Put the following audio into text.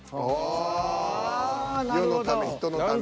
ああ世のため人のため。